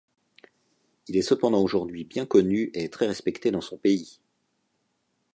Il est cependant aujourd'hui bien connu et très respecté dans son pays.